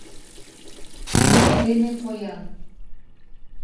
Мо дене поян?